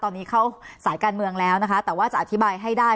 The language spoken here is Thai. ตอนนี้เข้าสายการเมืองแล้วนะคะแต่ว่าจะอธิบายให้ได้